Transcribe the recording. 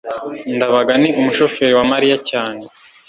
ndabaga ni umushoferi wa mariya cyane